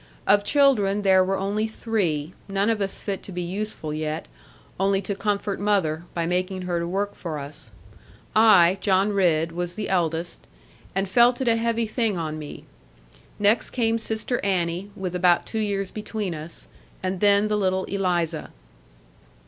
Of children there were only three, none of us fit to be useful yet, only to comfort mother, by making her to work for us. I, John Ridd, was the eldest, and felt it a heavy thing on me; next came sister Annie, with about two years between us; and then the little Eliza.